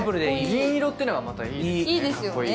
銀色っていうのがまたいいですよね。